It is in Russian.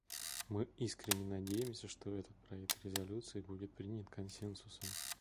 Мы искренне надеемся, что этот проект резолюции будет принят консенсусом.